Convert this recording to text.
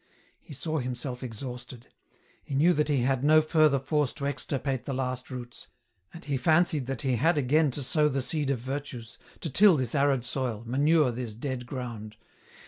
He saw himself exhausted ; he knew that he had no further force to extirpate the last roots, and he fancied that he had again to sow the seed of virtues, to till this arid soil, manure this dead ground.